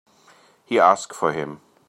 He asked for him.